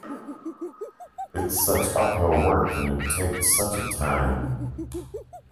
It's such uphill work, and it takes such a time!